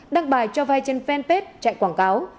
đăng bài cho vai trên fanpage chạy quảng cáo